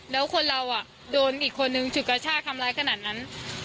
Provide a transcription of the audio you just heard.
แล้วคนเราโดนอีกคนนึงฉุดกระชากทำร้ายขนาดนั้น